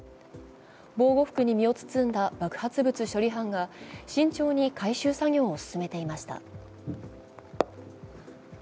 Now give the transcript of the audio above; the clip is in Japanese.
防護服に身を包んだ爆発物処理班が慎重に回収作業を進めていました。